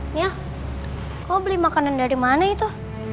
nih kamu beli makanan dari mana itu